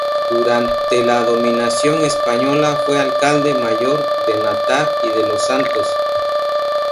Durante la dominación española fue alcalde mayor de Natá y de Los Santos.